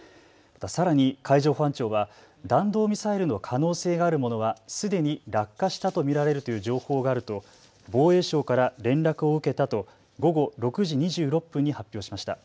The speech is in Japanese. さらに海上保安庁は弾道ミサイルの可能性があるものはすでに落下したと見られるという情報があると防衛省から連絡を受けたと午後６時２６分に発表しました。